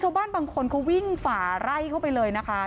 โชว์บ้านในพื้นที่เขารู้สึกยังไงกับเรื่องที่เกิดขึ้น